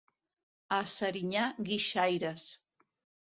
A Serinyà, guixaires.